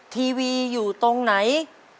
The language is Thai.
ทีวีอยู่ตรงไหน